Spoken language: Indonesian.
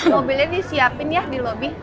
mobilnya disiapin ya di lobby